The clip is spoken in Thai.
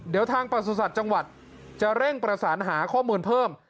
เดี๋ยวทางประสุทธิ์จังหวัดจะเร่งประสานหาข้อมูลเพิ่ม